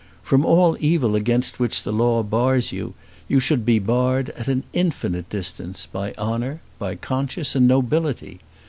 From all evil against which the law bars you, you should be barred, at an infinite distance, by honour, by conscience, and nobility.